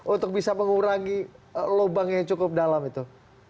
untuk bisa mengurangi lubang yang cukup dalam itu